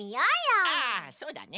ああそうだね。